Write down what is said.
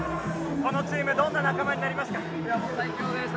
このチームどんな仲間になりました？